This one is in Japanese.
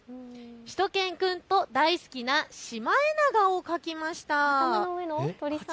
しゅと犬くんと大好きなシマエナガを描きました。